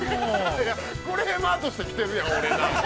◆クレーマーとして来てるやん、俺。